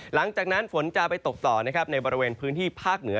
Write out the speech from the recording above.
หลังจากนั้นฝนจะไปตกต่อนะครับในบริเวณพื้นที่ภาคเหนือ